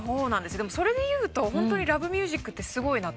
でもそれで言うとホントに『Ｌｏｖｅｍｕｓｉｃ』ってすごいなと思うんですね。